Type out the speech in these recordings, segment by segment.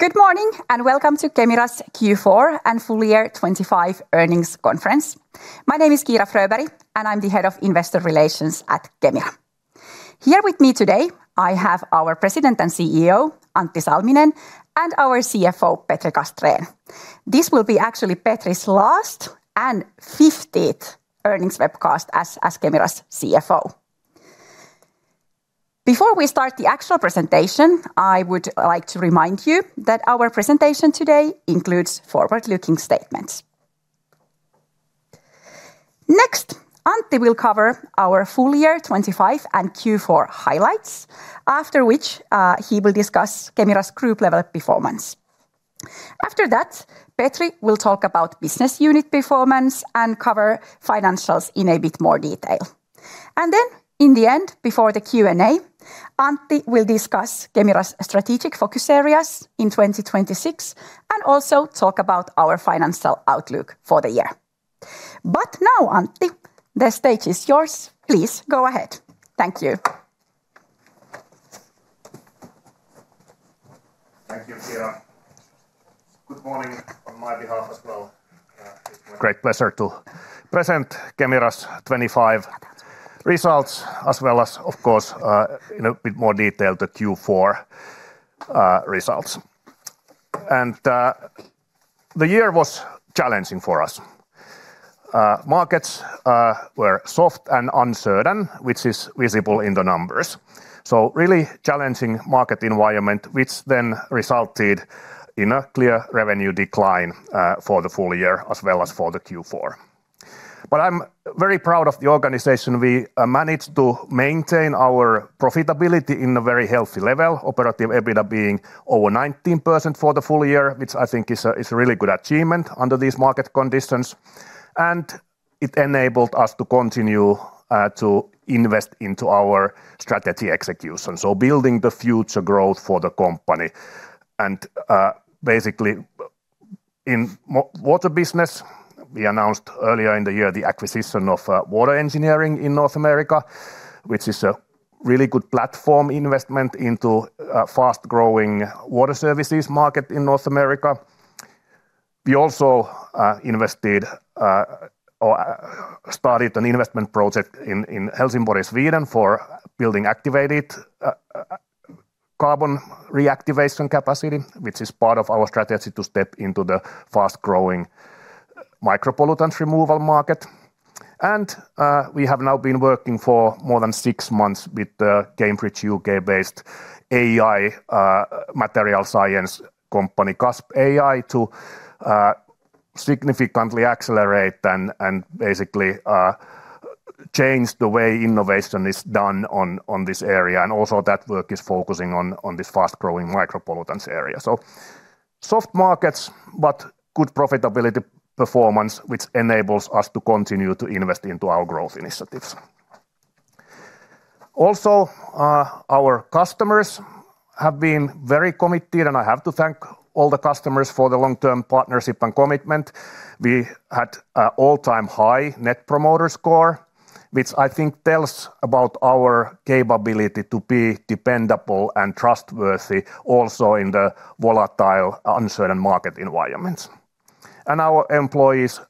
Good morning, and welcome to Kemira's Q4 and full year 2025 earnings conference. My name is Kiira Fröberg, and I'm the Head of Investor Relations at Kemira. Here with me today, I have our President and CEO, Antti Salminen, and our CFO, Petri Castrén. This will be actually Petri's last and 50th earnings webcast as Kemira's CFO. Before we start the actual presentation, I would like to remind you that our presentation today includes forward-looking statements. Next, Antti will cover our full year 2025 and Q4 highlights, after which, he will discuss Kemira's group level performance. After that, Petri will talk about business unit performance and cover financials in a bit more detail. And then in the end, before the Q&A, Antti will discuss Kemira's strategic focus areas in 2026 and also talk about our financial outlook for the year. But now, Antti, the stage is yours. Please go ahead. Thank you. Thank you, Kiira. Good morning on my behalf as well. Great pleasure to present Kemira's 25 results, as well as, of course, in a bit more detail, the Q4 results. The year was challenging for us. Markets were soft and uncertain, which is visible in the numbers. So really challenging market environment, which then resulted in a clear revenue decline for the full year as well as for the Q4. But I'm very proud of the organization. We managed to maintain our profitability in a very healthy level, Operative EBITDA being over 19% for the full year, which I think is a, is a really good achievement under these market conditions. It enabled us to continue to invest into our strategy execution, so building the future growth for the company. Basically, in water business, we announced earlier in the year the acquisition of Water Engineering in North America, which is a really good platform investment into fast-growing water services market in North America. We also invested or started an investment project in Helsingborg, Sweden, for building activated carbon reactivation capacity, which is part of our strategy to step into the fast-growing micropollutant removal market. And, we have now been working for more than six months with the Cambridge, U.K.-based AI material science company, CuspAI, to significantly accelerate and basically change the way innovation is done on this area. And also that work is focusing on this fast-growing micropollutants area. So soft markets, but good profitability performance, which enables us to continue to invest into our growth initiatives. Also, our customers have been very committed, and I have to thank all the customers for the long-term partnership and commitment. We had an all-time high Net Promoter Score, which I think tells about our capability to be dependable and trustworthy also in the volatile, uncertain market environments. And our employees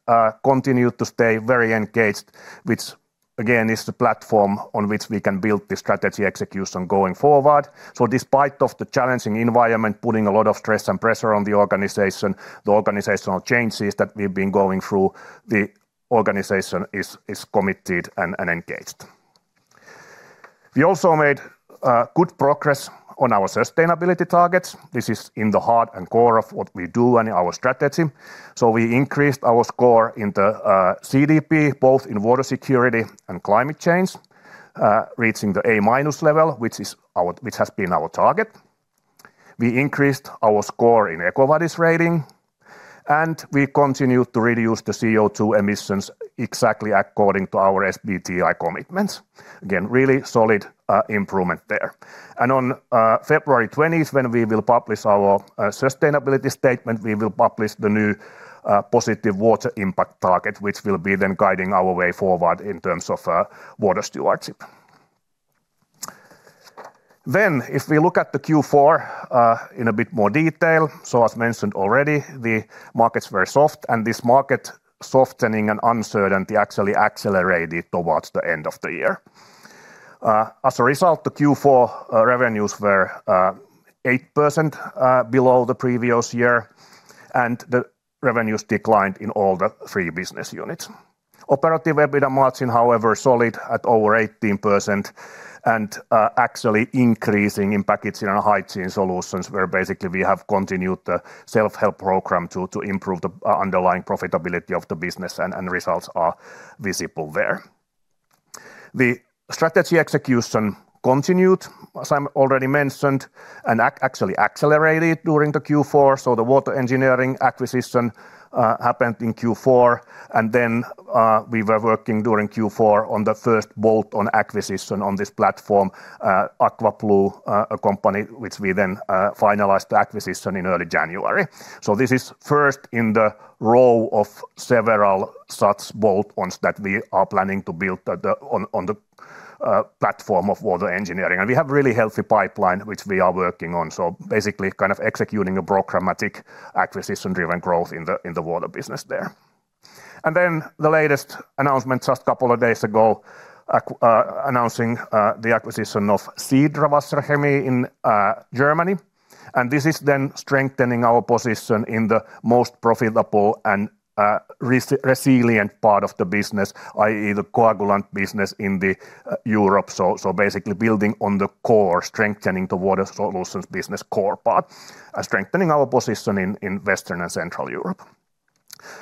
continued to stay very engaged, which again, is the platform on which we can build the strategy execution going forward. So despite of the challenging environment, putting a lot of stress and pressure on the organization, the organizational changes that we've been going through, the organization is committed and engaged. We also made good progress on our sustainability targets. This is in the heart and core of what we do and our strategy. So we increased our score in the CDP, both in Water Security and Climate Change, reaching the A-minus level, which has been our target. We increased our score in EcoVadis rating, and we continued to reduce the CO2 emissions exactly according to our SBTi commitments. Again, really solid improvement there. And on February twentieth, when we will publish our sustainability statement, we will publish the new positive water impact target, which will be then guiding our way forward in terms of water stewardship. Then, if we look at the Q4 in a bit more detail, so as mentioned already, the markets were soft, and this market softening and uncertainty actually accelerated towards the end of the year. As a result, the Q4 revenues were 8% below the previous year, and the revenues declined in all the three business units. Operative EBITDA margin, however, solid at over 18% and actually increasing in Packaging and Hygiene Solutions, where basically we have continued the self-help program to improve the underlying profitability of the business, and results are visible there. The strategy execution continued, as I already mentioned, and actually accelerated during the Q4, so the Water Engineering acquisition happened in Q4, and then we were working during Q4 on the first bolt-on acquisition on this platform, AquaBlue, a company which we then finalized the acquisition in early January. So this is first in the row of several such bolt-ons that we are planning to build on the platform of Water Engineering, and we have a really healthy pipeline, which we are working on. So basically, kind of executing a programmatic acquisition-driven growth in the water business there. And then the latest announcement just a couple of days ago, announcing the acquisition of Sidra Wasserchemie in Germany. And this is then strengthening our position in the most profitable and resilient part of the business, i.e., the coagulant business in Europe. So basically building on the core, strengthening the Water Solutions business core part, and strengthening our position in Western and Central Europe.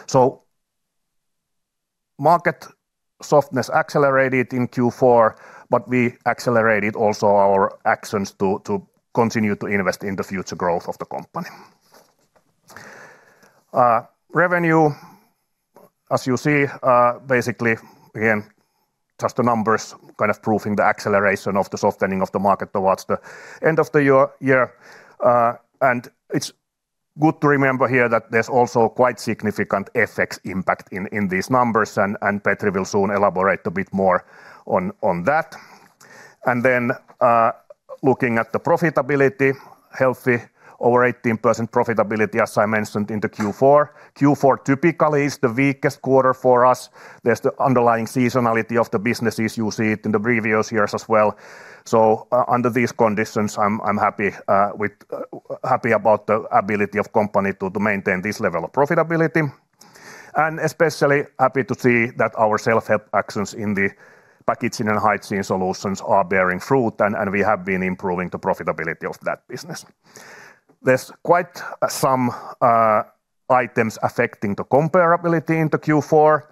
So market softness accelerated in Q4, but we accelerated also our actions to continue to invest in the future growth of the company. Revenue, as you see, basically, again, just the numbers kind of proving the acceleration of the softening of the market towards the end of the year. And it's good to remember here that there's also quite significant FX impact in these numbers, and Petri will soon elaborate a bit more on that. And then, looking at the profitability, healthy over 18% profitability, as I mentioned, in the Q4. Q4 typically is the weakest quarter for us. There's the underlying seasonality of the businesses. You see it in the previous years as well. So under these conditions, I'm happy with happy about the ability of company to maintain this level of profitability, and especially happy to see that our self-help actions in the Packaging and Hygiene Solutions are bearing fruit, and we have been improving the profitability of that business. There's quite some items affecting the comparability into Q4,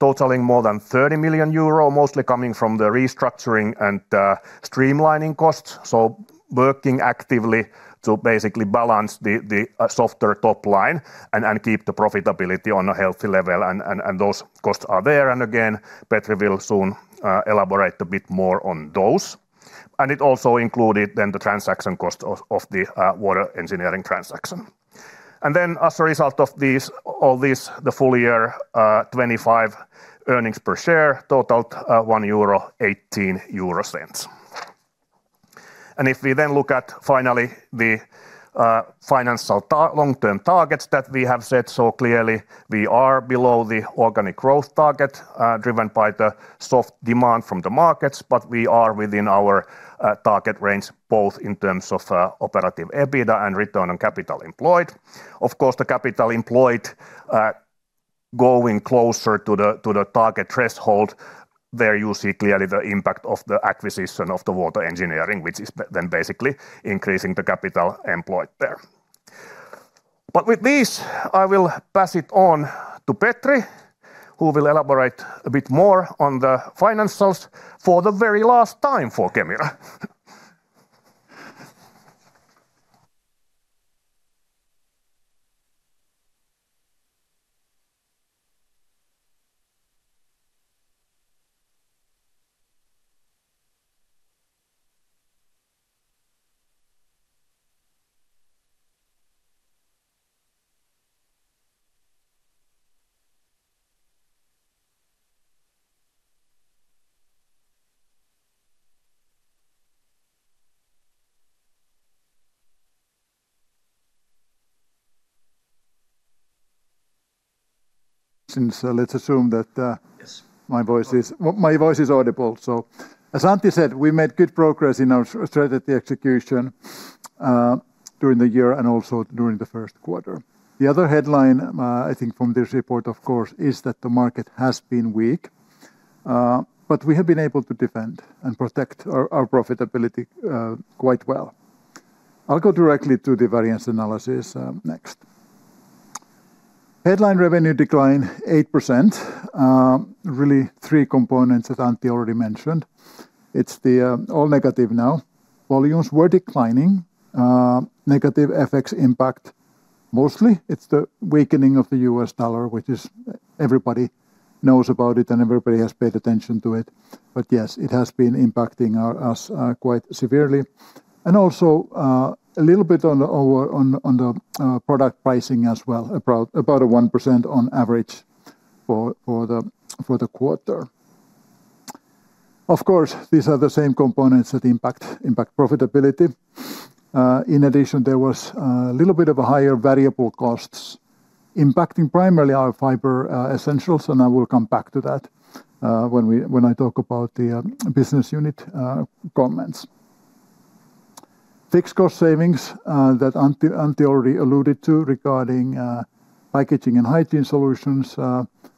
totaling more than 30 million euro, mostly coming from the restructuring and streamlining costs. So working actively to basically balance the softer top line and keep the profitability on a healthy level. And those costs are there, and again, Petri will soon elaborate a bit more on those. And it also included then the transaction cost of the Water Engineering transaction. As a result of these all these, the full year 2025 earnings per share totaled 1.18 euro. If we then look at finally the financial long-term targets that we have set, so clearly we are below the organic growth target, driven by the soft demand from the markets, but we are within our target range, both in terms of Operative EBITDA and return on capital employed. Of course, the capital employed going closer to the target threshold. There you see clearly the impact of the acquisition of the Water Engineering, which is then basically increasing the capital employed there. With this, I will pass it on to Petri, who will elaborate a bit more on the financials for the very last time for Kemira. Since, let's assume that, Yes. My voice is, my voice is audible. So as Antti said, we made good progress in our strategy execution during the year and also during the first quarter. The other headline, I think from this report, of course, is that the market has been weak, but we have been able to defend and protect our, our profitability quite well. I'll go directly to the variance analysis next. Headline revenue decline 8%. Really three components that Antti already mentioned. It's the, all negative now. Volumes were declining, negative FX impact. Mostly, it's the weakening of the U.S. dollar, which is everybody knows about it, and everybody has paid attention to it. But yes, it has been impacting us quite severely and also a little bit on our product pricing as well, about 1% on average for the quarter. Of course, these are the same components that impact profitability. In addition, there was a little bit of higher variable costs impacting primarily our Fiber Essentials, and I will come back to that when I talk about the business unit comments. Fixed cost savings that Antti already alluded to regarding Packaging and Hygiene Solutions,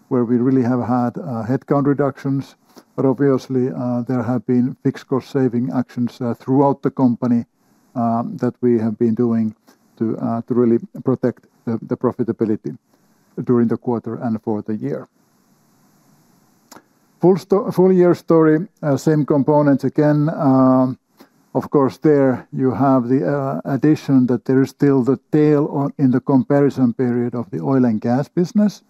where we really have had headcount reductions. But obviously, there have been fixed cost saving actions throughout the company that we have been doing to really protect the profitability during the quarter and for the year. Full-year story, same components again. Of course, there you have the addition that there is still the tail on in the comparison period of the oil and gas business.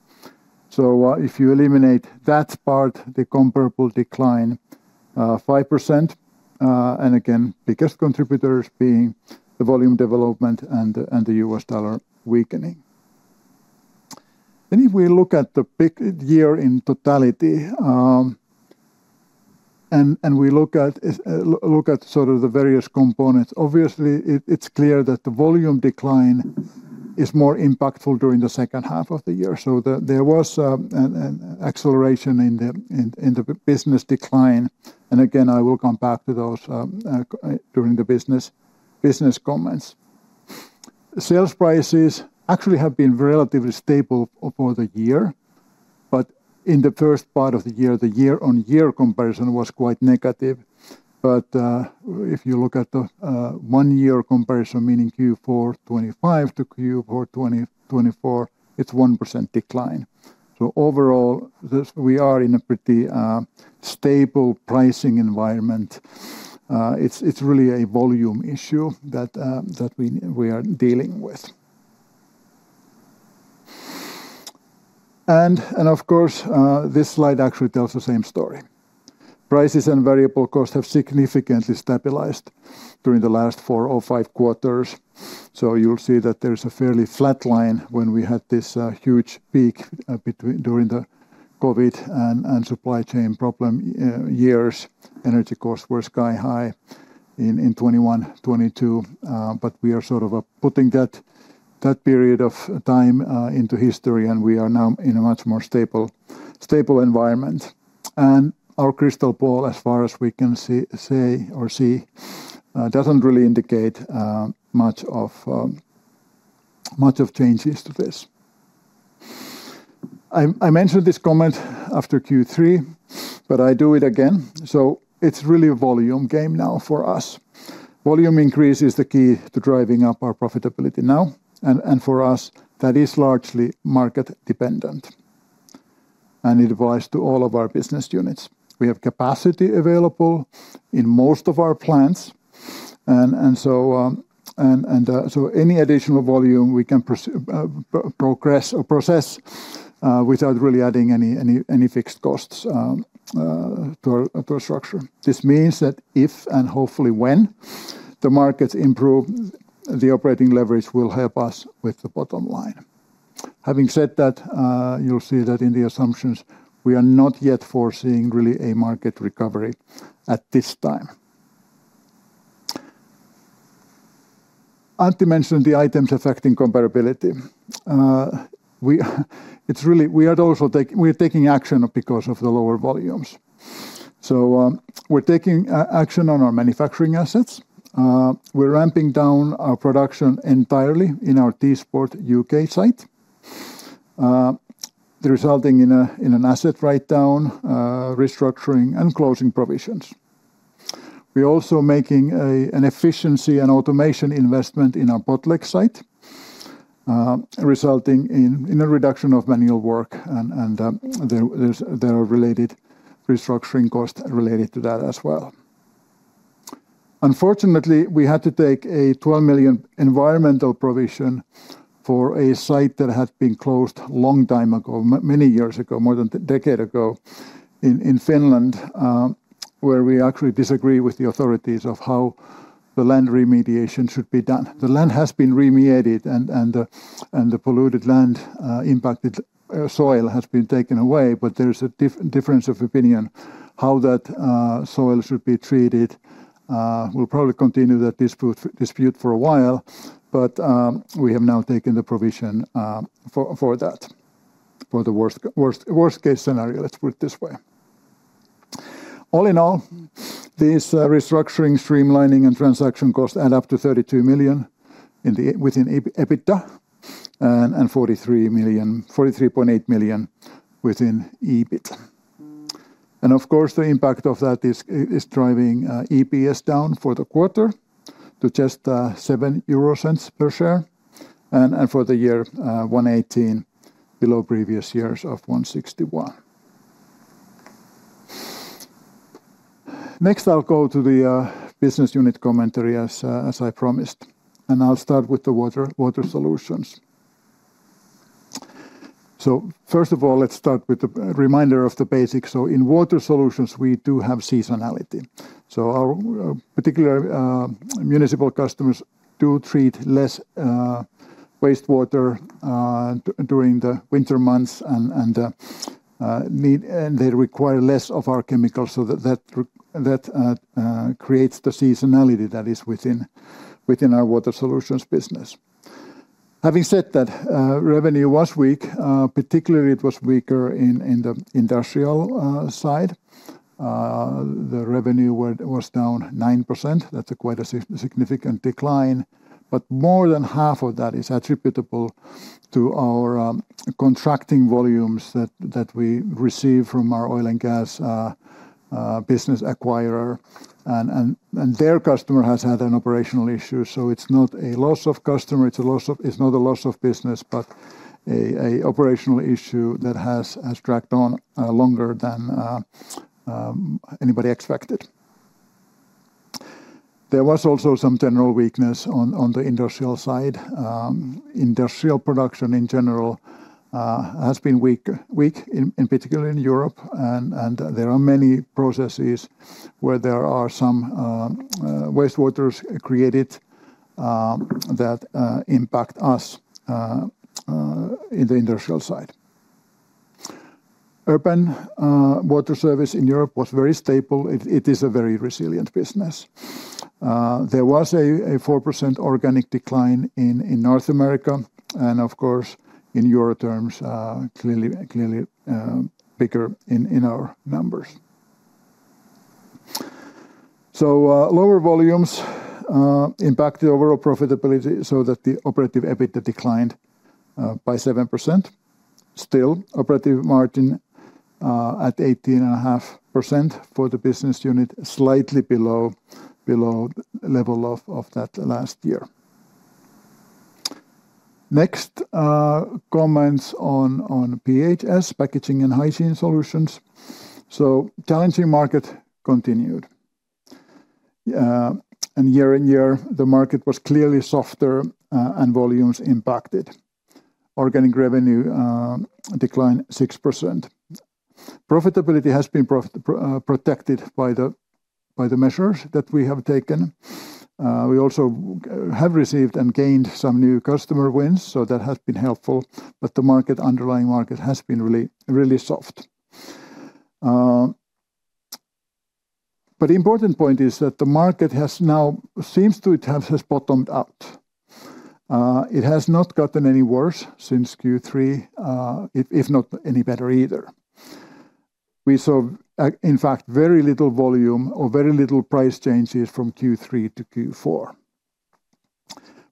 So, if you eliminate that part, the comparable decline 5%, and again, biggest contributors being the volume development and the U.S. dollar weakening. Then if we look at the big year in totality. And we look at sort of the various components. Obviously, it's clear that the volume decline is more impactful during the second half of the year, so there was an acceleration in the business decline, and again, I will come back to those during the business comments. Sales prices actually have been relatively stable over the year, but in the first part of the year, the year-on-year comparison was quite negative. But if you look at the one-year comparison, meaning Q4 2025 to Q4 2024, it's 1% decline. So overall, we are in a pretty stable pricing environment. It's really a volume issue that we are dealing with. And of course, this slide actually tells the same story. Prices and variable costs have significantly stabilized during the last four or five quarters. So you'll see that there's a fairly flat line when we had this huge peak during the COVID and supply chain problem years. Energy costs were sky high in 2021, 2022, but we are sort of putting that period of time into history, and we are now in a much more stable environment. Our crystal ball, as far as we can see, doesn't really indicate much of changes to this. I mentioned this comment after Q3, but I do it again. So it's really a volume game now for us. Volume increase is the key to driving up our profitability now, and for us, that is largely market dependent and it applies to all of our business units. We have capacity available in most of our plants, so any additional volume we can process without really adding any fixed costs to our structure. This means that if and hopefully when the markets improve, the operating leverage will help us with the bottom line. Having said that, you'll see that in the assumptions, we are not yet foreseeing really a market recovery at this time. Antti mentioned the items affecting comparability. We are taking action because of the lower volumes. So, we're taking action on our manufacturing assets. We're ramping down our production entirely in our Teesport U.K. site, resulting in an asset write-down, restructuring and closing provisions. We're also making an efficiency and automation investment in our Botlek site, resulting in a reduction of manual work and there are related restructuring costs related to that as well. Unfortunately, we had to take a 12 million environmental provision for a site that had been closed long time ago, many years ago, more than a decade ago, in Finland, where we actually disagree with the authorities of how the land remediation should be done. The land has been remediated and the polluted land, impacted soil has been taken away, but there is a difference of opinion how that soil should be treated. We'll probably continue that dispute for a while, but we have now taken the provision for that for the worst-case scenario, let's put it this way. All in all, these restructuring, streamlining, and transaction costs add up to 32 million within EBITDA and 43 million, 43.8 million within EBIT. And of course, the impact of that is driving EPS down for the quarter to just 0.07 per share, and for the year, 1.18, below previous years of 1.61. Next, I'll go to the business unit commentary as I promised, and I'll start with the Water Solutions. So first of all, let's start with the reminder of the basics. So in Water Solutions, we do have seasonality. So our particular municipal customers do treat less wastewater during the winter months and need... And they require less of our chemicals so that creates the seasonality that is within our Water Solutions business. Having said that, revenue was weak, particularly it was weaker in the industrial side. The revenue was down 9%. That's quite a significant decline, but more than half of that is attributable to our contracting volumes that we receive from our oil and gas business acquirer, and their customer has had an operational issue, so it's not a loss of customer, it's a loss of—it's not a loss of business, but a operational issue that has dragged on longer than anybody expected. There was also some general weakness on the industrial side. Industrial production in general has been weak in particular in Europe, and there are many processes where there are some wastewaters created that impact us in the industrial side. Urban water service in Europe was very stable. It is a very resilient business. There was a 4% organic decline in North America, and of course, in euro terms, clearly bigger in our numbers. So, lower volumes impact the overall profitability so that the Operative EBITDA declined by 7%. Still, operative margin at 18.5% for the business unit, slightly below the level of that last year. Next, comments on PHS, Packaging and Hygiene Solutions. Challenging market continued. Year-on-year, the market was clearly softer, and volumes impacted. Organic revenue declined 6%. Profitability has been protected by the measures that we have taken. We also have received and gained some new customer wins, so that has been helpful, but the underlying market has been really, really soft. But the important point is that the market now seems to have bottomed out. It has not gotten any worse since Q3, if not any better either. We saw, in fact, very little volume or very little price changes from Q3 to Q4.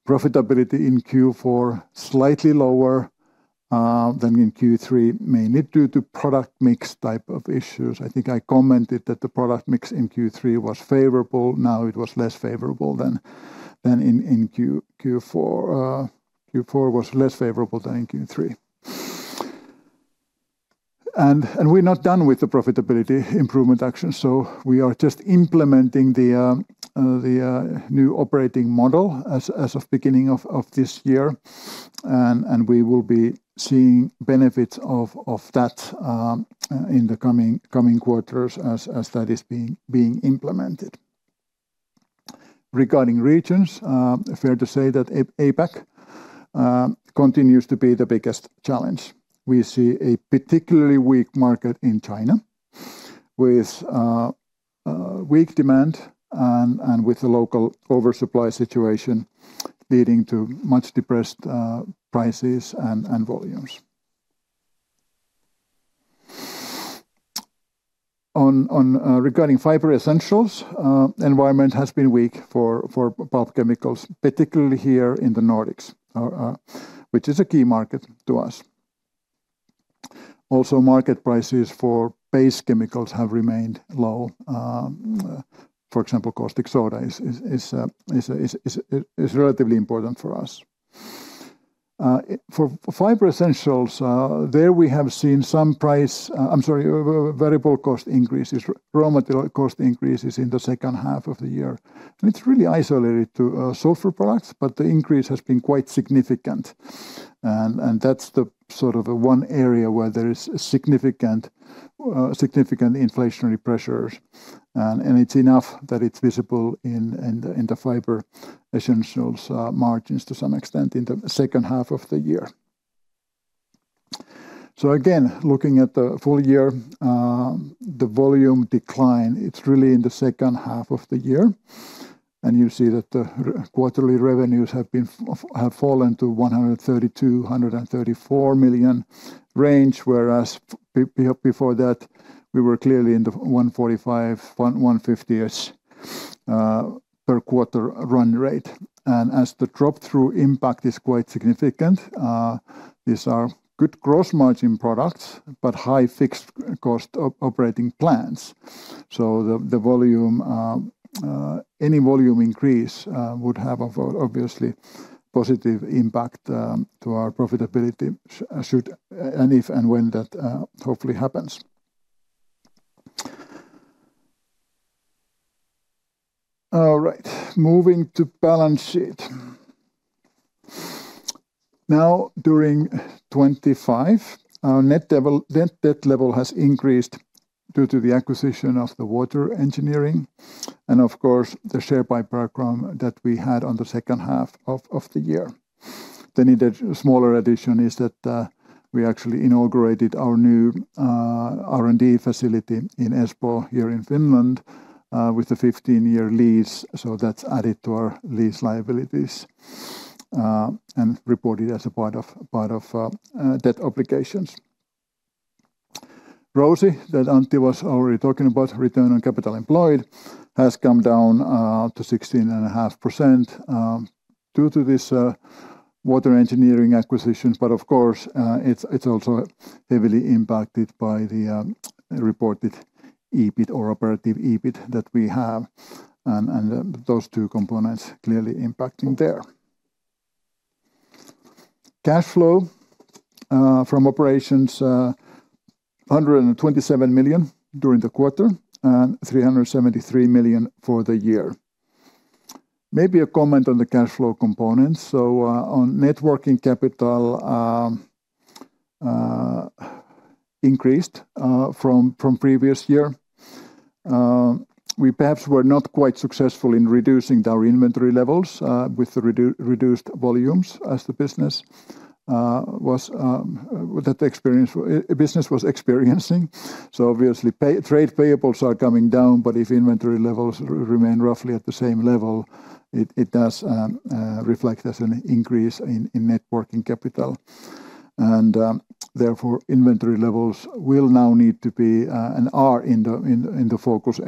Profitability in Q4 slightly lower than in Q3, mainly due to product mix type of issues. I think I commented that the product mix in Q3 was favorable. Now it was less favorable than in Q4. Q4 was less favorable than in Q3. We're not done with the profitability improvement action, so we are just implementing the new operating model as of beginning of this year. And we will be seeing benefits of that in the coming quarters as that is being implemented. Regarding regions, fair to say that APAC continues to be the biggest challenge. We see a particularly weak market in China with weak demand and with the local oversupply situation leading to much depressed prices and volumes. Regarding Fiber Essentials, environment has been weak for pulp chemicals, particularly here in the Nordics, which is a key market to us. Also, market prices for base chemicals have remained low. For example, caustic soda is relatively important for us. For Fiber Essentials, there we have seen variable cost increases, raw material cost increases in the second half of the year. And it's really isolated to sulfur products, but the increase has been quite significant. And that's the sort of the one area where there is significant inflationary pressures. And it's enough that it's visible in the Fiber Essentials margins to some extent in the second half of the year. So again, looking at the full year, the volume decline, it's really in the second half of the year. You see that the quarterly revenues have fallen to 132 million-134 million range, whereas before that, we were clearly in the 145, 150-ish per quarter run rate. And as the drop through impact is quite significant, these are good gross margin products, but high fixed cost operating plans. So the volume, any volume increase would have an obviously positive impact to our profitability, should and if and when that hopefully happens. All right, moving to balance sheet. Now, during 2025, our net debt level has increased due to the acquisition of Water Engineering, and of course, the share buy program that we had on the second half of the year. Then in the smaller addition is that, we actually inaugurated our new R&D facility in Espoo, here in Finland, with a 15-year lease, so that's added to our lease liabilities, and reported as a part of, part of, debt obligations. ROCE, that Antti was already talking about, return on capital employed, has come down to 16.5%, due to this Water Engineering acquisitions. But of course, it's, it's also heavily impacted by the reported EBIT or Operative EBIT that we have, and, and those two components clearly impacting there. Cash flow from operations, 127 million during the quarter and 373 million for the year. Maybe a comment on the cash flow components. So, on net working capital, increased from previous year. We perhaps were not quite successful in reducing our inventory levels with the reduced volumes as the business was experiencing. So obviously, payables, trade payables are coming down, but if inventory levels remain roughly at the same level, it does reflect as an increase in net working capital. Therefore, inventory levels will now need to be and are in the focus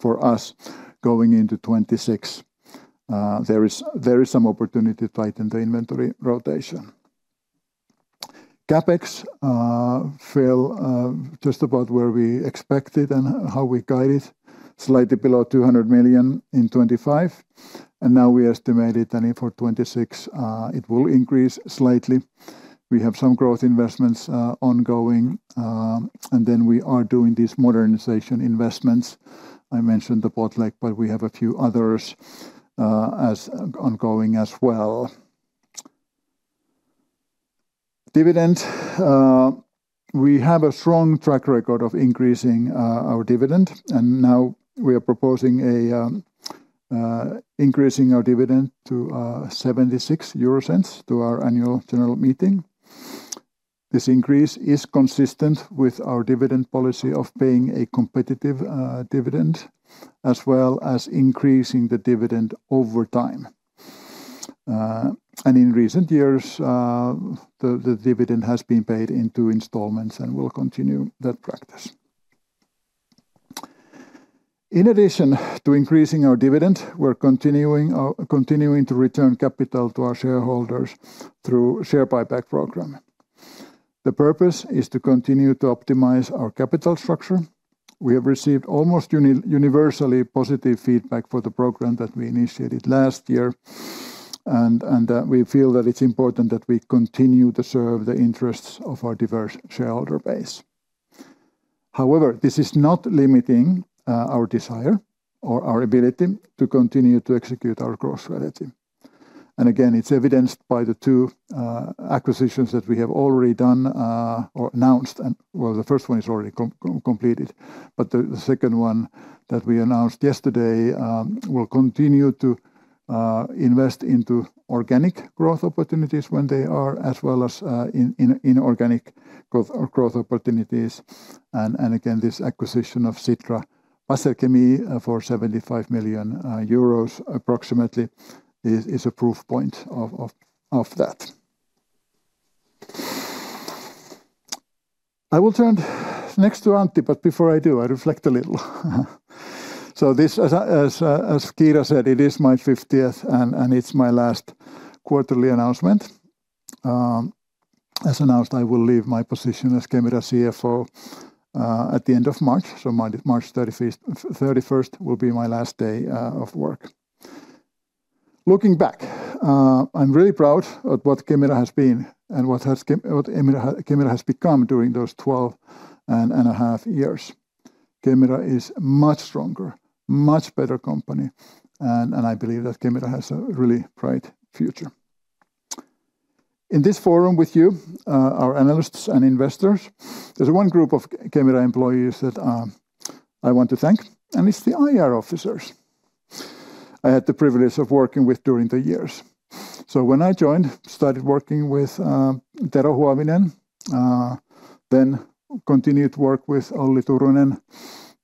for us going into 2026. There is some opportunity to tighten the inventory rotation. CapEx fell just about where we expected and how we guided, slightly below 200 million in 2025, and now we estimate it and for 2026, it will increase slightly. We have some growth investments ongoing, and then we are doing these modernization investments. I mentioned the Botlek, but we have a few others as ongoing as well. Dividend, we have a strong track record of increasing our dividend, and now we are proposing increasing our dividend to 0.76 to our annual general meeting. This increase is consistent with our dividend policy of paying a competitive dividend, as well as increasing the dividend over time. And in recent years, the dividend has been paid in two installments, and we'll continue that practice. In addition to increasing our dividend, we're continuing to return capital to our shareholders through share buyback program. The purpose is to continue to optimize our capital structure. We have received almost universally positive feedback for the program that we initiated last year, and we feel that it's important that we continue to serve the interests of our diverse shareholder base. However, this is not limiting our desire or our ability to continue to execute our growth strategy. And again, it's evidenced by the two acquisitions that we have already done or announced, and well, the first one is already completed, but the second one that we announced yesterday will continue to invest into organic growth opportunities when they are, as well as in organic growth or growth opportunities. And again, this acquisition of Sidra Wasserchemie for 75 million euros approximately is a proof point of that. I will turn next to Antti, but before I do, I reflect a little. So this, as Kiira said, it is my 50th, and it's my last quarterly announcement. As announced, I will leave my position as Kemira CFO at the end of March, so March 31st, 31st will be my last day of work. Looking back, I'm really proud at what Kemira has been and what Kemira has become during those 12 and a half years. Kemira is much stronger, much better company, and I believe that Kemira has a really bright future. In this forum with you, our analysts and investors, there's one group of Kemira employees that I want to thank, and it's the IR officers I had the privilege of working with during the years. So when I joined, started working with Tero Huovinen, then continued to work with Olli Turunen,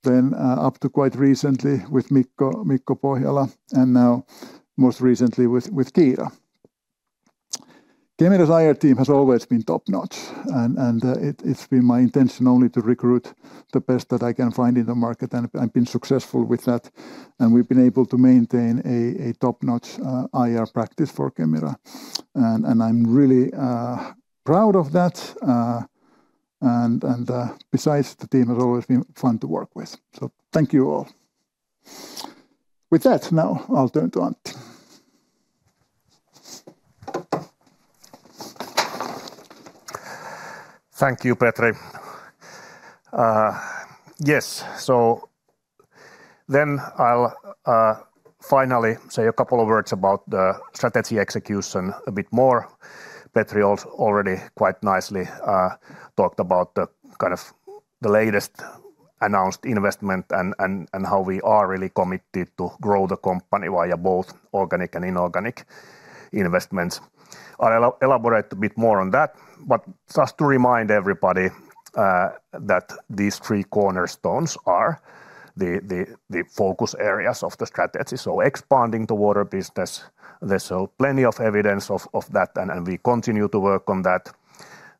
then up to quite recently with Mikko, Mikko Pohjala, and now most recently with Kiira Fröberg. Kemira's IR team has always been top-notch, and it’s been my intention only to recruit the best that I can find in the market, and I've been successful with that, and we've been able to maintain a top-notch IR practice for Kemira. I'm really proud of that. Besides, the team has always been fun to work with, so thank you, all. With that, now I'll turn to Antti Salminen. Thank you, Petri. Yes, so then I'll finally say a couple of words about the strategy execution a bit more. Petri already quite nicely talked about the kind of the latest announced investment and how we are really committed to grow the company via both organic and inorganic investments. I'll elaborate a bit more on that, but just to remind everybody that these three cornerstones are the focus areas of the strategy. So expanding the water business, there's so plenty of evidence of that, and we continue to work on that.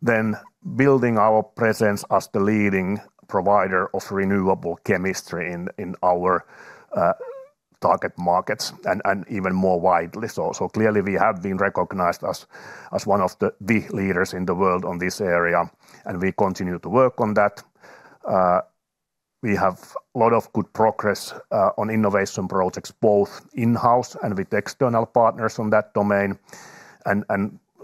Then building our presence as the leading provider of renewable chemistry in our target markets and even more widely. So, clearly, we have been recognized as one of the leaders in the world on this area, and we continue to work on that. We have a lot of good progress on innovation projects, both in-house and with external partners on that domain, and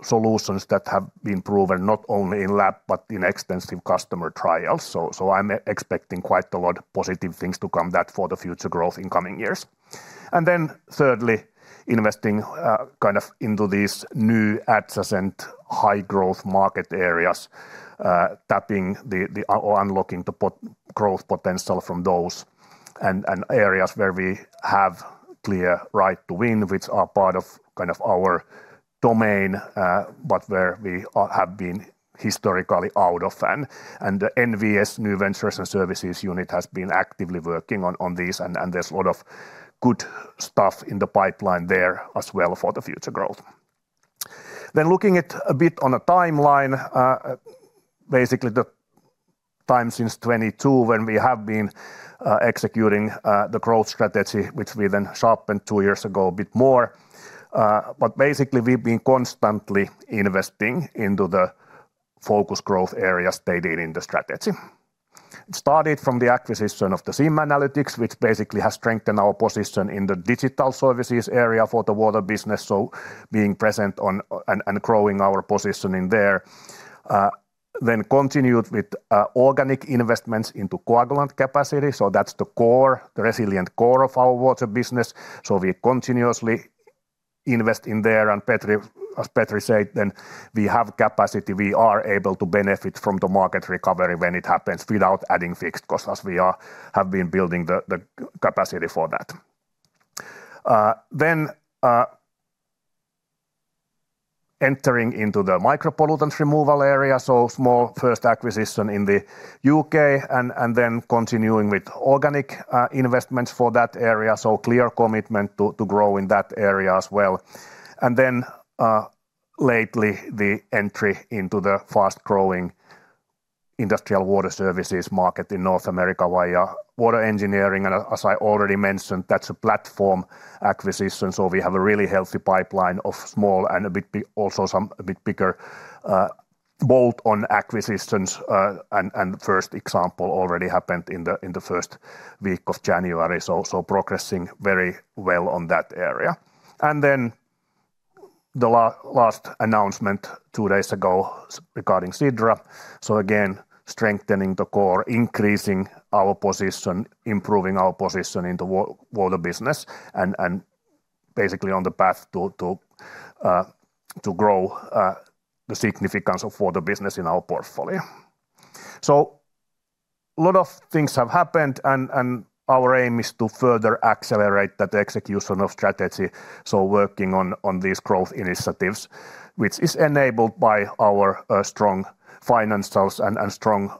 solutions that have been proven not only in lab but in extensive customer trials. So, I'm expecting quite a lot of positive things to come that for the future growth in coming years. And then thirdly, investing kind of into these new adjacent... High growth market areas, tapping the or unlocking the potential growth potential from those, and areas where we have clear right to win, which are part of kind of our domain, but where we have been historically out of and NVS, New Ventures and Services unit, has been actively working on these, and there's a lot of good stuff in the pipeline there as well for the future growth. Then looking at a bit on a timeline, basically, the time since 2022 when we have been executing the growth strategy, which we then sharpened two years ago a bit more. But basically we've been constantly investing into the focus growth areas stated in the strategy. It started from the acquisition of the SimAnalytics, which basically has strengthened our position in the digital services area for the water business, so being present on and, and growing our position in there. Then continued with organic investments into coagulant capacity, so that's the core, the resilient core of our water business, so we continuously invest in there. And Petri, as Petri said, then we have capacity. We are able to benefit from the market recovery when it happens without adding fixed costs, as we have been building the capacity for that. Then entering into the micropollutant removal area, so small first acquisition in the U.K., and then continuing with organic investments for that area, so clear commitment to grow in that area as well. And then, lately, the entry into the fast-growing industrial water services market in North America via Water Engineering, and as I already mentioned, that's a platform acquisition. So we have a really healthy pipeline of small and a bit bigger bolt-on acquisitions. And first example already happened in the first week of January, so progressing very well on that area. And then the last announcement two days ago regarding Sidra. So again, strengthening the core, increasing our position, improving our position in the water business, and basically on the path to grow the significance of water business in our portfolio. So a lot of things have happened, and our aim is to further accelerate that execution of strategy, so working on these growth initiatives, which is enabled by our strong financials and strong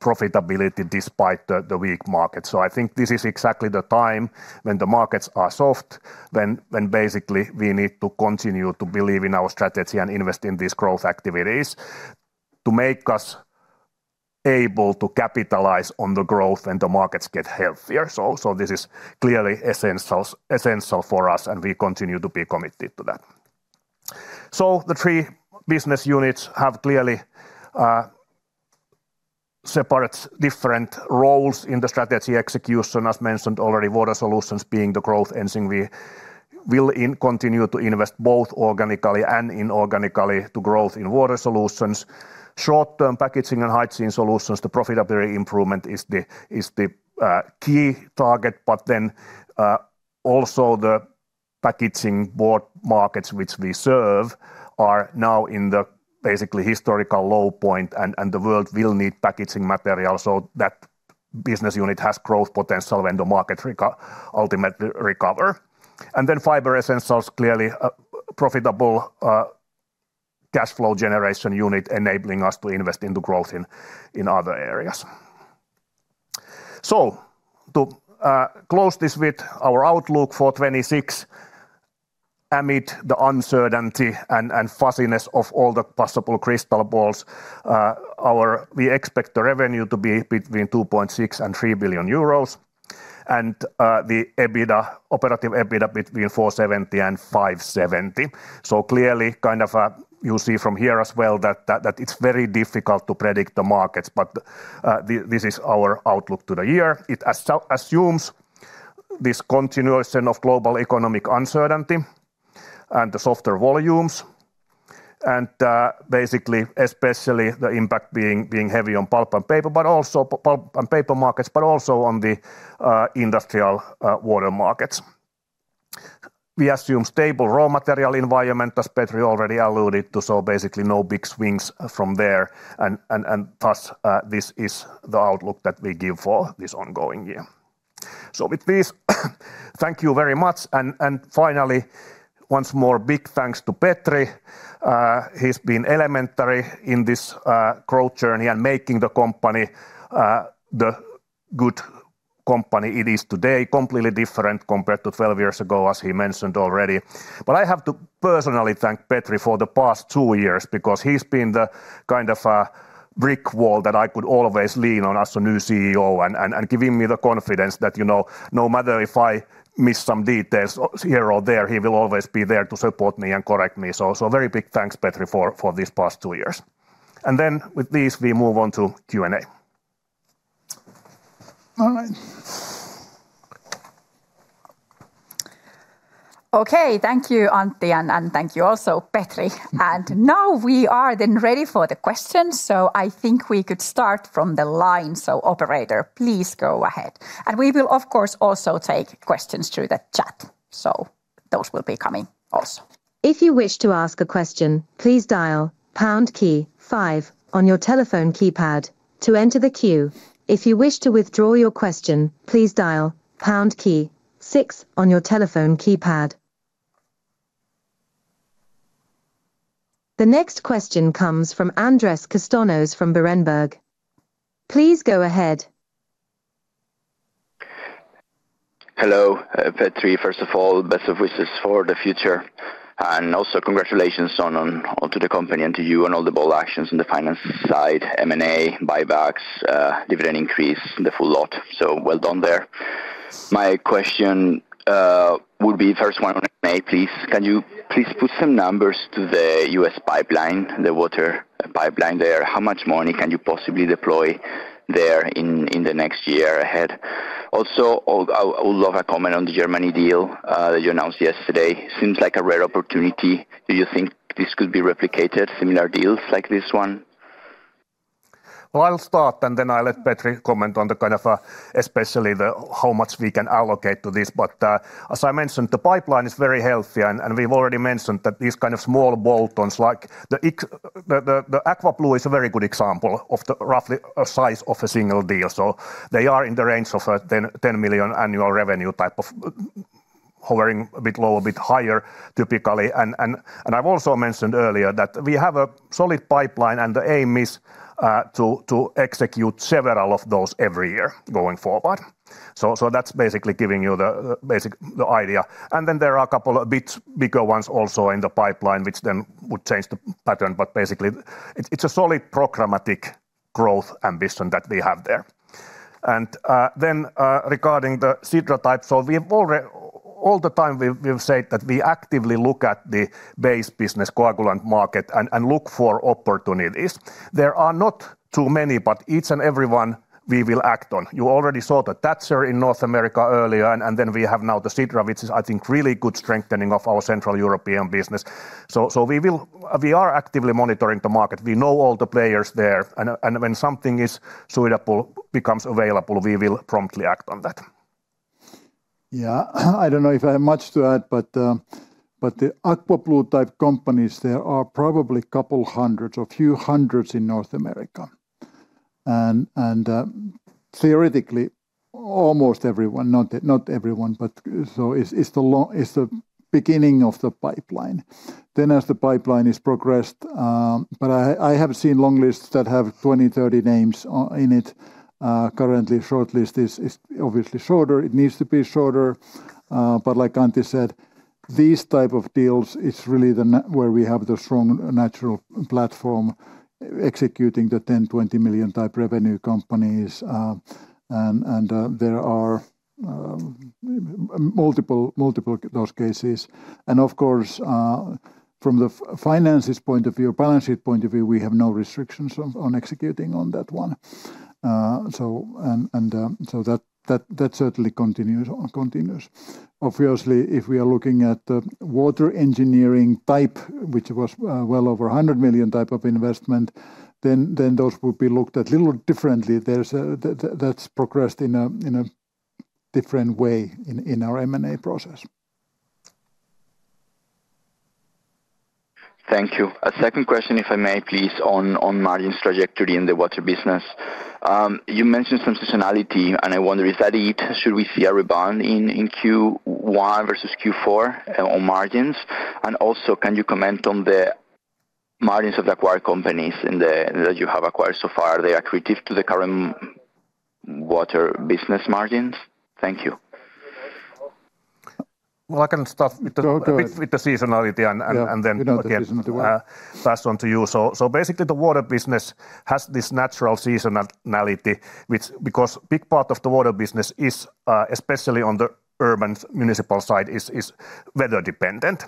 profitability despite the weak market. So I think this is exactly the time when the markets are soft, when basically we need to continue to believe in our strategy and invest in these growth activities to make us able to capitalize on the growth when the markets get healthier. So this is clearly essential for us, and we continue to be committed to that. So the three business units have clearly separate different roles in the strategy execution. As mentioned already, Water Solutions being the growth engine, we will continue to invest both organically and inorganically to growth in Water Solutions. Short-term Packaging and Hygiene Solutions, the profitability improvement is the key target, but then also the packaging board markets which we serve are now in basically historical low point, and the world will need packaging material, so that business unit has growth potential when the market ultimately recover. And then Fiber Essentials, clearly a profitable cash flow generation unit, enabling us to invest into growth in other areas. So to close this with our outlook for 2026, amid the uncertainty and fuzziness of all the possible crystal balls, our. We expect the revenue to be between 2.6 billion and 3 billion euros, and the EBITDA, Operative EBITDA between 470 million and 570 million. So clearly, kind of, you see from here as well that it's very difficult to predict the markets, but this is our outlook to the year. It assumes this continuation of global economic uncertainty and the softer volumes, and basically, especially the impact being heavy on pulp and paper, but also pulp and paper markets, but also on the industrial water markets. We assume stable raw material environment, as Petri already alluded to, so basically no big swings from there. Thus, this is the outlook that we give for this ongoing year. So with this, thank you very much, and finally, once more, big thanks to Petri. He's been instrumental in this growth journey and making the company the good company it is today, completely different compared to 12 years ago, as he mentioned already. But I have to personally thank Petri for the past 2 years, because he's been the kind of a brick wall that I could always lean on as a new CEO and giving me the confidence that, you know, no matter if I miss some details here or there, he will always be there to support me and correct me. So very big thanks, Petri, for these past 2 years. Then with this, we move on to Q&A. All right. Okay. Thank you, Antti, and thank you also, Petri. And now we are then ready for the questions, so I think we could start from the line. So operator, please go ahead, and we will, of course, also take questions through the chat, so- Those will be coming also. If you wish to ask a question, please dial pound key five on your telephone keypad to enter the queue. If you wish to withdraw your question, please dial pound key six on your telephone keypad. The next question comes from Andrés Castaños-Mollor from Berenberg. Please go ahead. Hello, Petri. First of all, best of wishes for the future, and also congratulations on to the company and to you on all the bold actions on the finance side, M&A, buybacks, dividend increase, the full lot. So well done there. My question would be, first one on M&A, please. Can you please put some numbers to the U.S. pipeline, the water pipeline there? How much money can you possibly deploy there in the next year ahead? Also, I'll love a comment on the Germany deal that you announced yesterday. Seems like a rare opportunity. Do you think this could be replicated, similar deals like this one? Well, I'll start, and then I'll let Petri comment on the kind of, especially the how much we can allocate to this. But, as I mentioned, the pipeline is very healthy, and we've already mentioned that these kind of small bolt-ons, like the AquaBlue, is a very good example of the roughly a size of a single deal. So they are in the range of 10, 10 million annual revenue type of hovering a bit lower, a bit higher, typically. And I've also mentioned earlier that we have a solid pipeline, and the aim is to execute several of those every year going forward. So that's basically giving you the basic, the idea. And then there are a couple of bit bigger ones also in the pipeline, which then would change the pattern, but basically, it's a solid programmatic growth ambition that we have there. And then, regarding the Sidra type, so we've already all the time we've said that we actively look at the base business coagulant market and look for opportunities. There are not too many, but each and every one we will act on. You already saw the Thatcher in North America earlier, and then we have now the Sidra, which is, I think, really good strengthening of our Central European business. So, so we will—we are actively monitoring the market. We know all the players there, and when something is suitable, becomes available, we will promptly act on that. Yeah. I don't know if I have much to add, but the AquaBlue type companies, there are probably couple hundreds or few hundreds in North America. And theoretically, almost everyone, not everyone, but so it's the beginning of the pipeline. Then as the pipeline is progressed, but I have seen long lists that have 20, 30 names in it. Currently, short list is obviously shorter. It needs to be shorter, but like Antti said, these type of deals, it's really where we have the strong natural platform executing the 10 million, 20 million type revenue companies. And there are multiple those cases. And of course, from the finances point of view, balance sheet point of view, we have no restrictions on executing on that one. So that certainly continues on, continues. Obviously, if we are looking at the Water Engineering type, which was well over 100 million type of investment, then those would be looked at little differently. That has progressed in a different way in our M&A process. Thank you. A second question, if I may please, on margins trajectory in the water business. You mentioned some seasonality, and I wonder, is that it? Should we see a rebound in Q1 versus Q4 on margins? And also, can you comment on the margins of the acquired companies in the - that you have acquired so far? Are they accretive to the current water business margins? Thank you. Well, I can start- Go ahead. With the seasonality and. Yeah. And then again, pass on to you. So, basically, the water business has this natural seasonality, which, because a big part of the water business is, especially on the urban municipal side, is weather dependent.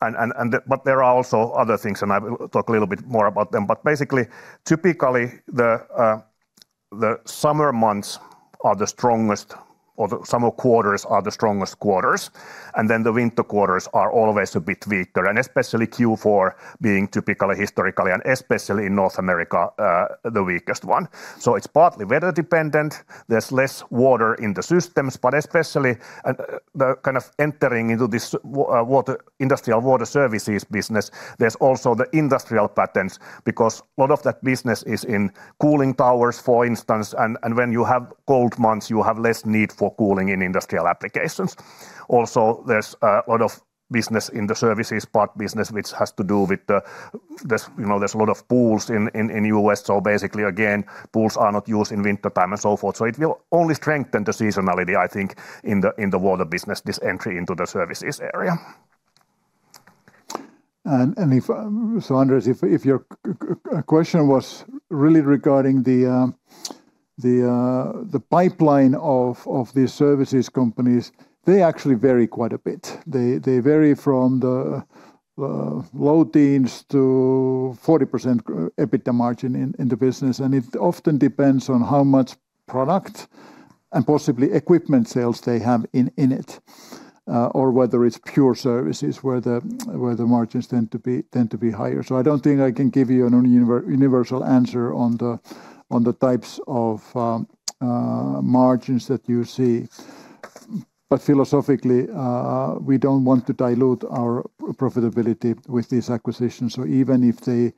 And but there are also other things, and I will talk a little bit more about them. But basically, typically, the summer months are the strongest, or the summer quarters are the strongest quarters, and then the winter quarters are always a bit weaker, and especially Q4 being typically, historically, and especially in North America, the weakest one. So it's partly weather dependent. There's less water in the systems, but especially, the kind of entering into this water industrial water services business, there's also the industrial patterns, because a lot of that business is in cooling towers, for instance, and when you have cold months, you have less need for cooling in industrial applications. Also, there's a lot of business in the services part, business which has to do with the... There's, you know, there's a lot of pools in the U.S., so basically, again, pools are not used in wintertime and so forth. So it will only strengthen the seasonality, I think, in the water business, this entry into the services area. So Andres, if your question was really regarding the pipeline of these services companies, they actually vary quite a bit. They vary from the low teens to 40% EBITDA margin in the business, and it often depends on how much product and possibly equipment sales they have in it, or whether it's pure services where the margins tend to be higher. So I don't think I can give you a universal answer on the types of margins that you see. But philosophically, we don't want to dilute our profitability with this acquisition. So even if the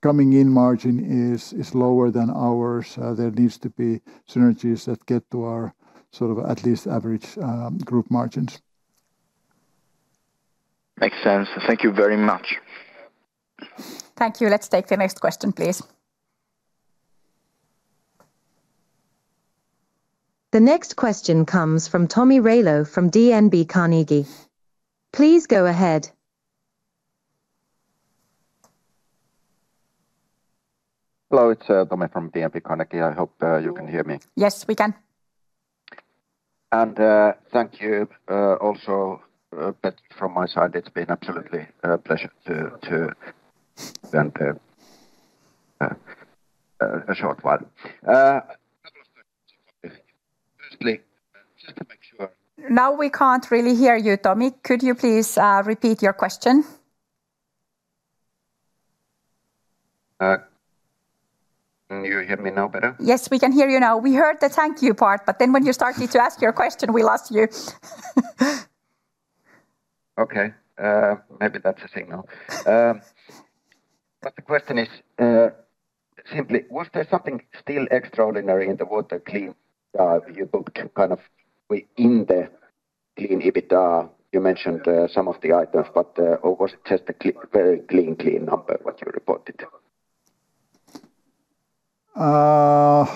coming in margin is lower than ours, there needs to be synergies that get to our sort of at least average group margins. Makes sense. Thank you very much. Thank you. Let's take the next question, please. The next question comes from Tomi Railo from DNB Markets. Please go ahead. Hello, it's Tomi from DNB Markets. I hope you can hear me. Yes, we can. And, thank you, also, but from my side, it's been absolutely a pleasure to a short one. Couple of things. Firstly, just to make sure- Now we can't really hear you, Tomi. Could you please repeat your question? Can you hear me now better? Yes, we can hear you now. We heard the thank you part, but then when you started to ask your question, we lost you. Okay, maybe that's a signal. But the question is simply, was there something still extraordinary in the water clean you booked kind of in the clean EBITDA you mentioned some of the items, but or was it just a very clean clean number, what you reported? I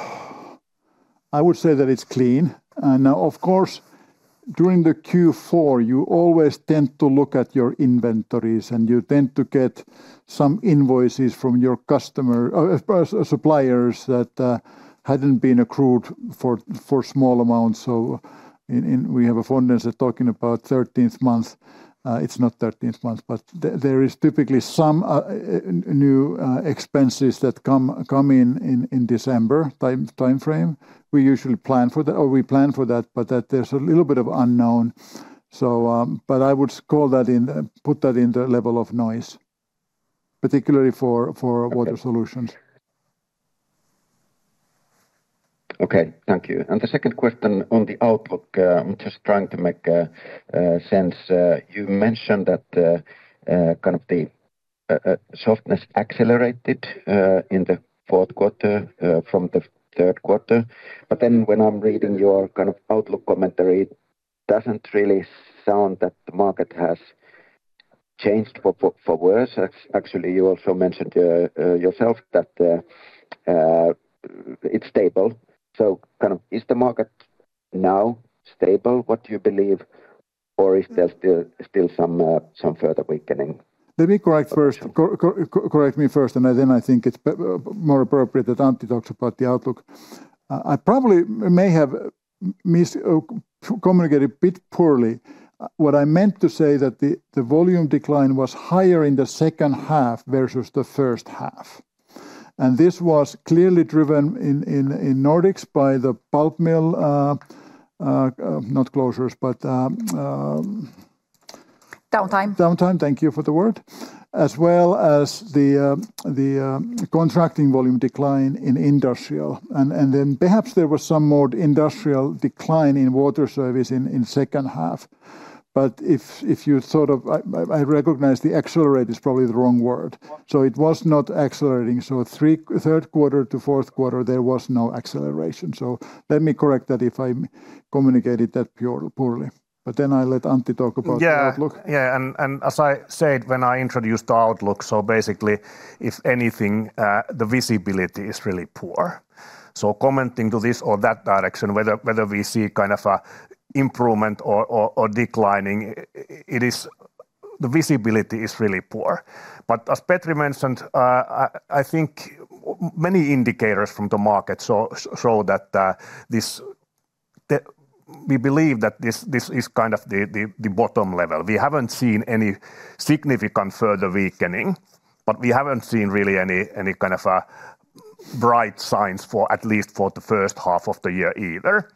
would say that it's clean. And now, of course, during the Q4, you always tend to look at your inventories, and you tend to get some invoices from your customer as suppliers that hadn't been accrued for small amounts. So in we have a fondness of talking about thirteenth month. It's not thirteenth month, but there is typically some new expenses that come in in December time frame. We usually plan for that or we plan for that, but that there's a little bit of unknown. So, but I would call that, put that in the level of noise, particularly for Water Solutions. Okay. Thank you. And the second question on the outlook, I'm just trying to make sense. You mentioned that kind of the softness accelerated in the fourth quarter from the third quarter. But then when I'm reading your kind of outlook commentary, it doesn't really sound that the market has changed for worse. Actually, you also mentioned yourself that it's stable. So kind of, is the market now stable, what you believe? Or is there still some further weakening? Let me correct first—correct me first, and then I think it's more appropriate that Antti talks about the outlook. I probably may have miscommunicated a bit poorly. What I meant to say that the volume decline was higher in the second half versus the first half. And this was clearly driven in Nordics by the pulp mill not closures, but Downtime. Downtime, thank you for the word. As well as the contracting volume decline in industrial. And then perhaps there was some more industrial decline in water service in second half. But if you sort of... I recognize the accelerate is probably the wrong word. So it was not accelerating. So third quarter to fourth quarter, there was no acceleration. So let me correct that if I communicated that poorly, but then I let Antti talk about the outlook. Yeah, yeah, and as I said, when I introduced the outlook, so basically, if anything, the visibility is really poor. So commenting to this or that direction, whether we see kind of a improvement or declining, it is the visibility is really poor. But as Petri mentioned, I think many indicators from the market show that this we believe that this is kind of the bottom level. We haven't seen any significant further weakening, but we haven't seen really any kind of a bright signs for at least the first half of the year either.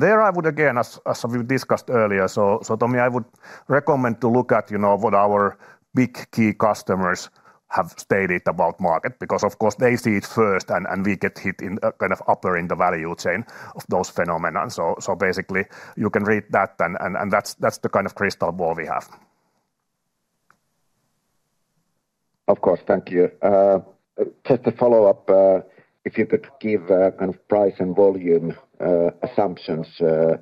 There I would again, as we discussed earlier, so Tomi, I would recommend to look at, you know, what our big key customers have stated about market, because of course, they see it first, and we get hit in kind of upper in the value chain of those phenomena. So basically, you can read that, and that's the kind of crystal ball we have. Of course. Thank you. Just to follow up, if you could give kind of price and volume assumptions into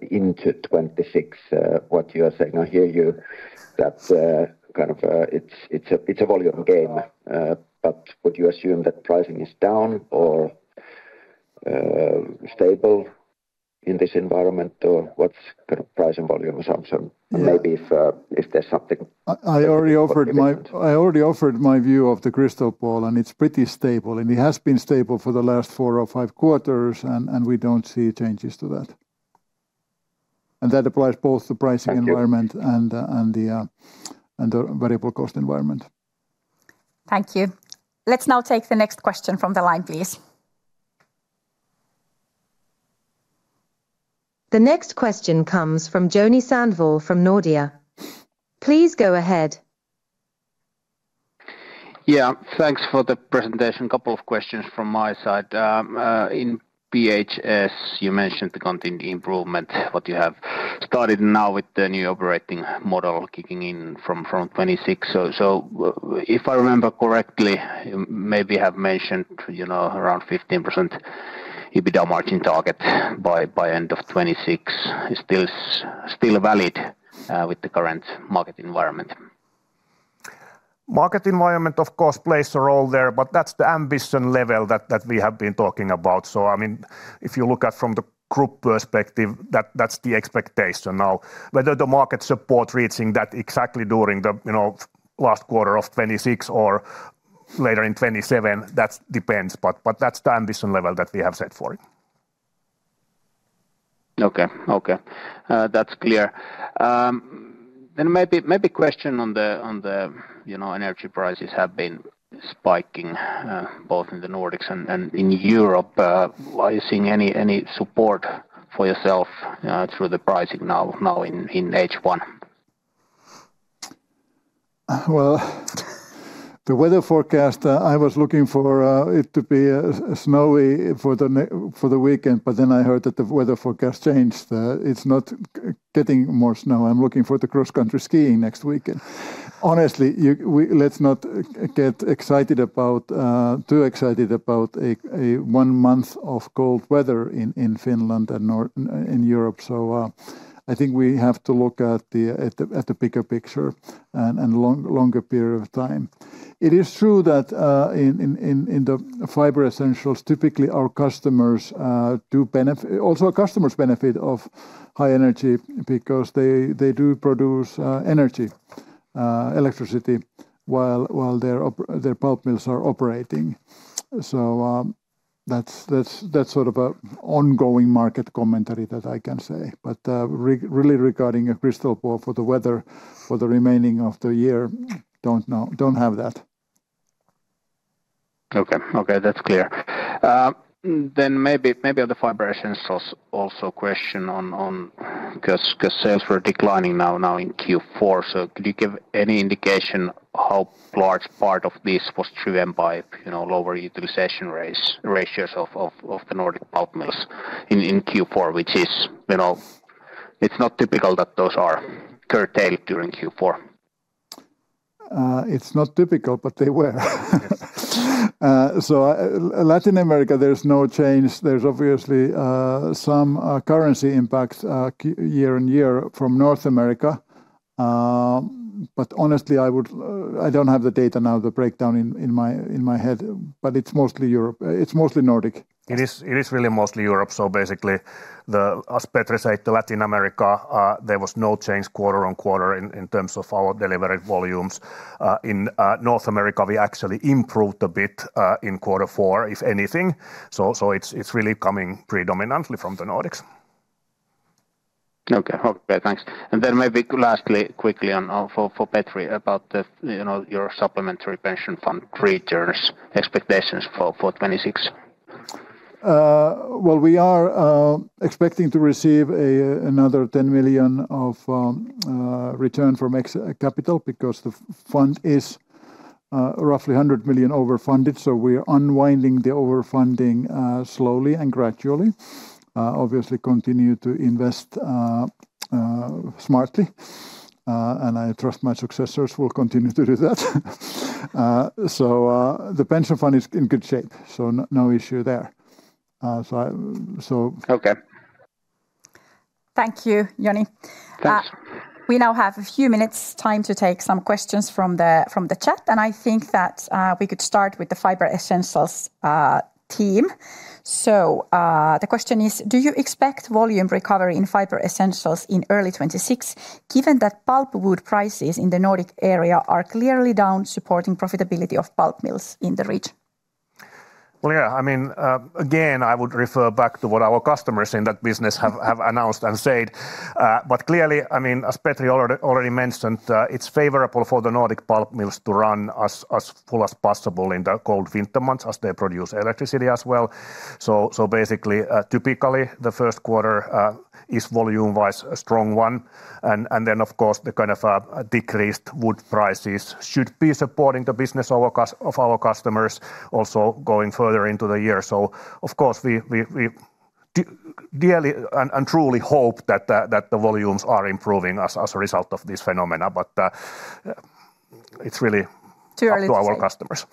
2026, what you are saying. I hear you that kind of it's a volume game, but would you assume that pricing is down or stable in this environment? Or what's the price and volume assumption? Yeah. And maybe if there's something- I already offered my- I already offered my view of the crystal ball, and it's pretty stable, and it has been stable for the last four or five quarters, and we don't see changes to that. And that applies both the pricing- Thank you. Environment and the variable cost environment. Thank you. Let's now take the next question from the line, please. The next question comes from Joni Sandvall from Nordea. Please go ahead. Yeah, thanks for the presentation. Couple of questions from my side. In PHS, you mentioned the continued improvement, what you have started now with the new operating model kicking in from 2026. So, if I remember correctly, you maybe have mentioned, you know, around 15% EBITDA margin target by end of 2026. Is still valid with the current market environment? Market environment, of course, plays a role there, but that's the ambition level that we have been talking about. So I mean, if you look at from the group perspective, that's the expectation. Now, whether the market support reaching that exactly during the, you know, last quarter of 2026 or later in 2027, that depends, but that's the ambition level that we have set for it. Okay, okay. That's clear. Then maybe, maybe question on the, on the, you know, energy prices have been spiking, both in the Nordics and, and in Europe. Are you seeing any, any support for yourself, through the pricing now, now in, in H1? Well, the weather forecast, I was looking for, it to be, snowy for the weekend, but then I heard that the weather forecast changed. It's not getting more snow. I'm looking for the cross-country skiing next weekend. Honestly, you, we-- let's not get excited about, too excited about a one month of cold weather in Finland and in Europe. So, I think we have to look at the bigger picture and longer period of time. It is true that, in the Fiber Essentials, typically our customers do benefit. Also our customers benefit of high energy because they do produce energy, electricity while their pulp mills are operating. So, that's sort of an ongoing market commentary that I can say. But really regarding a crystal ball for the weather for the remainder of the year, don't know, don't have that. Okay, okay, that's clear. Then maybe on the Fiber Essentials also question on... 'Cause sales were declining now in Q4, so could you give any indication how large part of this was driven by, you know, lower utilization rates, ratios of the Nordic pulp mills in Q4? Which is, you know, it's not typical that those are curtailed during Q4. It's not typical, but they were. Yes. So, Latin America, there's no change. There's obviously some currency impacts year-on-year from North America. But honestly, I would... I don't have the data now, the breakdown in my head, but it's mostly Europe, it's mostly Nordic. It is, it is really mostly Europe. So basically... As Petri said, Latin America, there was no change quarter-on-quarter in terms of our delivery volumes. In North America, we actually improved a bit in quarter four, if anything. So, so it's, it's really coming predominantly from the Nordics. Okay. Okay, thanks. And then maybe lastly, quickly on for Petri about the, you know, your supplementary pension fund returns expectations for 2026. Well, we are expecting to receive another 10 million of return from excess capital because the fund is roughly 100 million overfunded. So we are unwinding the overfunding slowly and gradually. Obviously continue to invest smartly, and I trust my successors will continue to do that. So, the pension fund is in good shape, so no issue there. So I, so- Okay. Thank you, Joni. Thanks. We now have a few minutes time to take some questions from the chat, and I think that we could start with the Fiber Essentials team. So, the question is: Do you expect volume recovery in Fiber Essentials in early 2026, given that pulpwood prices in the Nordic area are clearly down, supporting profitability of pulp mills in the region? Well, yeah, I mean, again, I would refer back to what our customers in that business have announced and said. But clearly, I mean, as Petri already mentioned, it's favorable for the Nordic pulp mills to run as full as possible in the cold winter months, as they produce electricity as well. So basically, typically, the first quarter is volume-wise a strong one, and then, of course, the kind of decreased wood prices should be supporting the business of our customers also going further into the year. So of course, we dearly and truly hope that the volumes are improving as a result of this phenomena. But it's really- Too early to say. Up to our customers.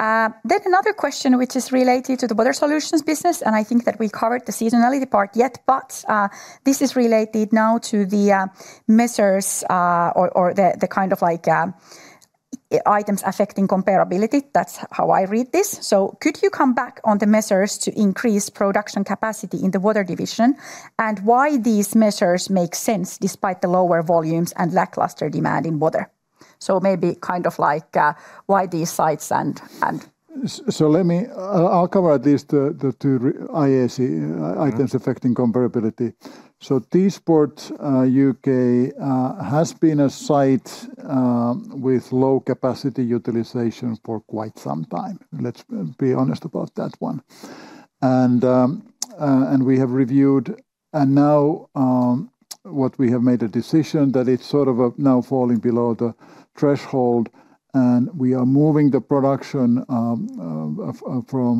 Yeah. Then another question which is related to the Water Solutions business, and I think that we covered the seasonality part yet, but, this is related now to the, measures, or, or the, the kind of like, items affecting comparability. That's how I read this. So could you come back on the measures to increase production capacity in the water division? And why these measures make sense despite the lower volumes and lackluster demand in water? So maybe kind of like, why these sites and, and- So let me. I'll cover this, the two IAC. Mm-hmm. Items affecting comparability. So Teesport, U.K., has been a site with low capacity utilization for quite some time. Let's be honest about that one... and we have reviewed, and now what we have made a decision that it's sort of now falling below the threshold, and we are moving the production from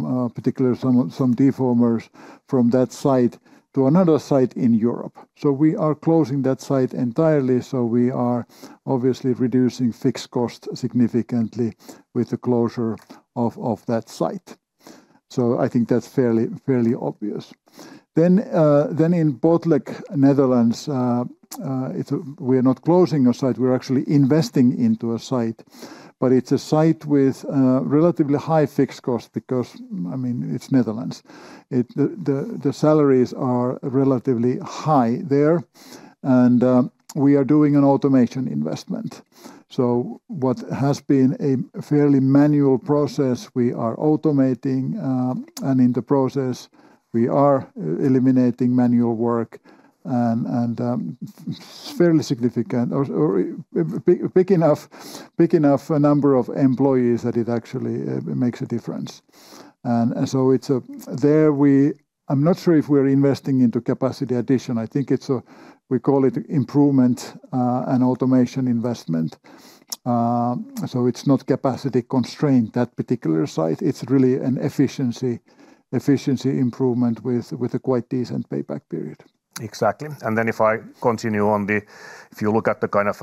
some particular defoamers from that site to another site in Europe. So we are closing that site entirely, so we are obviously reducing fixed costs significantly with the closure of that site. So I think that's fairly, fairly obvious. Then in Botlek, Netherlands, it's a-- we're not closing a site, we're actually investing into a site, but it's a site with relatively high fixed cost because, I mean, it's Netherlands. It... The salaries are relatively high there, and we are doing an automation investment. So what has been a fairly manual process, we are automating, and in the process, we are eliminating manual work. And it's fairly significant or big enough number of employees that it actually makes a difference. And so it's a. I'm not sure if we're investing into capacity addition. I think it's a, we call it improvement and automation investment. So it's not capacity constraint, that particular site. It's really an efficiency improvement with a quite decent payback period. Exactly. And then if I continue on the... If you look at the kind of,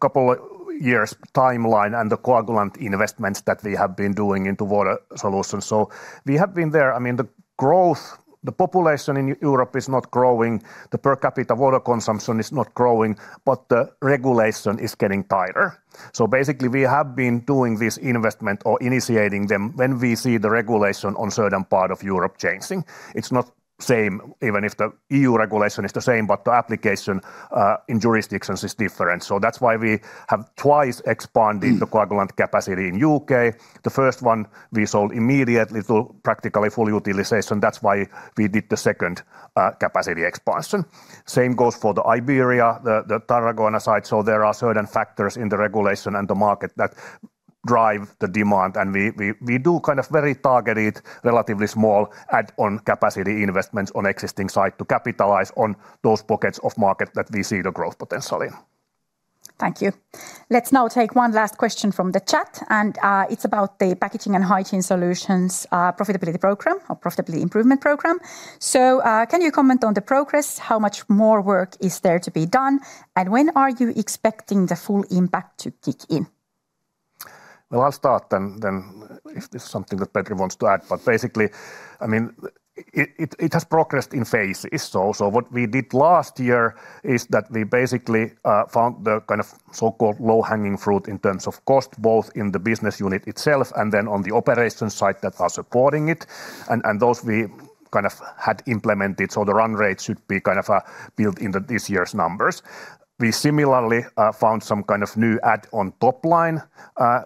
couple of years timeline and the coagulant investments that we have been doing into Water Solutions, so we have been there. I mean, the growth, the population in Europe is not growing, the per capita water consumption is not growing, but the regulation is getting tighter. So basically, we have been doing this investment or initiating them when we see the regulation on certain part of Europe changing. It's not same, even if the EU regulation is the same, but the application in jurisdictions is different. So that's why we have twice expanded the coagulant capacity in U.K. The first one we sold immediately to practically full utilization, that's why we did the second capacity expansion. Same goes for the Iberia, the Tarragona site, so there are certain factors in the regulation and the market that drive the demand. And we do kind of very targeted, relatively small, add-on capacity investments on existing site to capitalize on those pockets of market that we see the growth potentially. Thank you. Let's now take one last question from the chat, and it's about the Packaging and Hygiene Solutions profitability program or profitability improvement program. So, can you comment on the progress? How much more work is there to be done, and when are you expecting the full impact to kick in? Well, I'll start, and then if there's something that Petri wants to add, but basically, I mean, it has progressed in phases. So what we did last year is that we basically found the kind of so-called low-hanging fruit in terms of cost, both in the business unit itself and then on the operation side that are supporting it, and those we kind of had implemented. So the run rate should be kind of built into this year's numbers. We similarly found some kind of new add-on top line,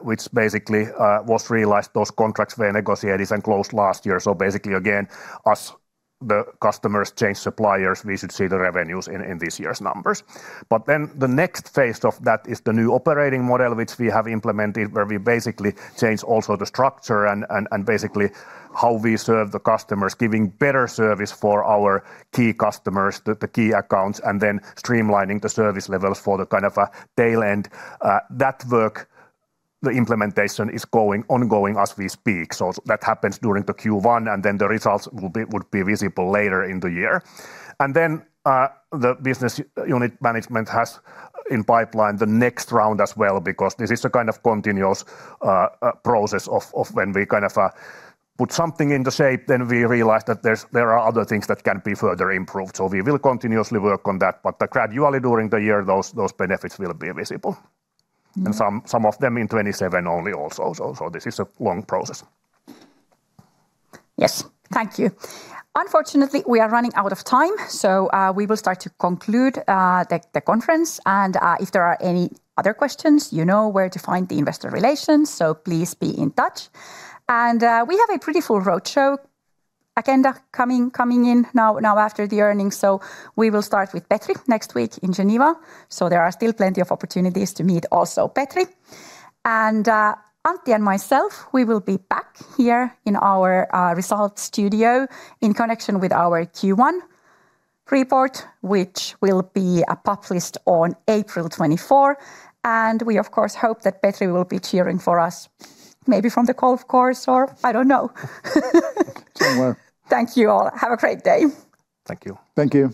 which basically was realized. Those contracts were negotiated and closed last year. So basically, again, as the customers change suppliers, we should see the revenues in this year's numbers. But then the next phase of that is the new operating model, which we have implemented, where we basically changed also the structure and basically how we serve the customers, giving better service for our key customers, the key accounts, and then streamlining the service levels for the kind of tail end. That work, the implementation is ongoing as we speak, so that happens during the Q1, and then the results will be, would be visible later in the year. And then, the business unit management has in pipeline the next round as well, because this is a kind of continuous process of when we kind of put something into shape, then we realize that there's, there are other things that can be further improved. We will continuously work on that, but gradually during the year, those benefits will be visible. Mm. And some of them in 2027 only also, so this is a long process. Yes. Thank you. Unfortunately, we are running out of time, so we will start to conclude the conference, and if there are any other questions, you know where to find the investor relations, so please be in touch. And we have a pretty full roadshow agenda coming in now after the earnings, so we will start with Petri next week in Geneva. So there are still plenty of opportunities to meet also Petri. And Antti and myself, we will be back here in our results studio in connection with our Q1 report, which will be published on April 24. And we, of course, hope that Petri will be cheering for us, maybe from the golf course or I don't know. Well. Thank you, all. Have a great day. Thank you. Thank you.